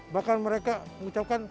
bahkan mereka mengucapkan